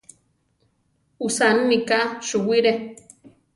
Usaninika suwire.